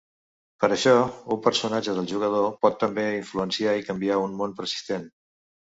Per això, un personatge del jugador pot també influenciar i canviar un món persistent.